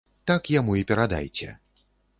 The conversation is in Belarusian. Так яму і перадайце.